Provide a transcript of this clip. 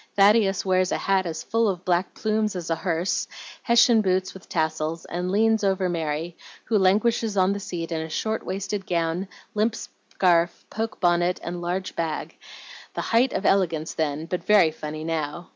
Thaddeus wears a hat as full of black plumes as a hearse, Hessian boots with tassels, and leans over Mary, who languishes on the seat in a short waisted gown, limp scarf, poke bonnet, and large bag, the height of elegance then, but very funny now.